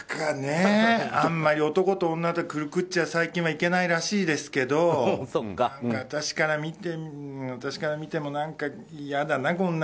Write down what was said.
あんまり男と女でくくっちゃ最近はいけないらしいですけど私から見ても何かいやだな。